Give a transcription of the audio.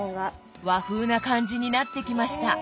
和風な感じになってきました。